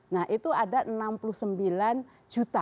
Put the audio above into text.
nah itu ada enam puluh sembilan juta